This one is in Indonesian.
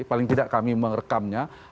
paling tidak kami merekamnya